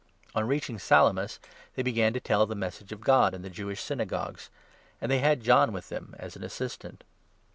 On 5 reaching Salamis, they began to tell the Message of God in the Jewish Synagogues ; and they had John with them as an assistant.